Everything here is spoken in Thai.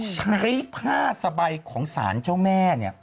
ใช้ผ้าสะใบของสารเจ้าแม่